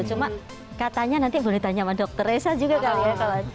cuma katanya nanti boleh ditanya sama dokter reza juga kali ya